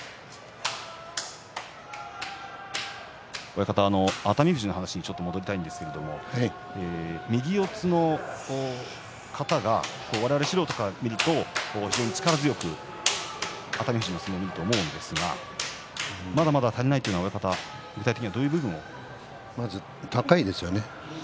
親方、熱海富士の話に戻りたいんですが右四つの型が我々素人から見ると非常に力強く熱海富士の相撲を見ると思うんですがまだまだ足りないっていうのはまず高いですよね。